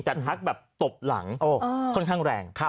แต่ทักแบบตบหลังค่อนข้างแรง